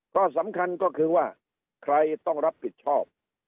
ก็สำคัญก็คือว่าใครต้องรับผิดชอบ